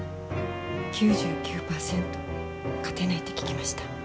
９９％勝てないって聞きました。